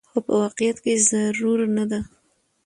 خو په واقعيت کې ضرور نه ده